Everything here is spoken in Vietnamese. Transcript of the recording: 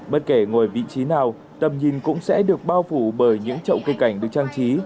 bất kể ngồi vị trí nào tầm nhìn cũng sẽ được bao phủ bởi những chậu cây cảnh được trang trí